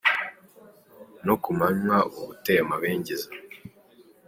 No ku manywa uba uteye amabengeza.